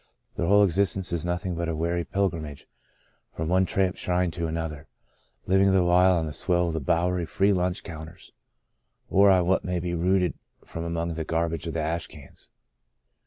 Their whole existence is nothing but a weary pilgrimage from one tramp's shrine to another, living the while on the swill of the Bowery free lunch coun ters, or on what may be rooted from among the garbage of the ash cans.